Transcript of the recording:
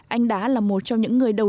anh đã là một trong những người đồng ý